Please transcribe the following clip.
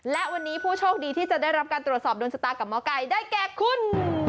และวันนี้ผู้โชคดีที่จะได้รับการตรวจสอบโดนชะตากับหมอไก่ได้แก่คุณ